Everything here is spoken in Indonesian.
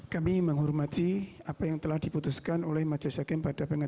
kami menghormati apa yang telah diputuskan oleh majlis hakem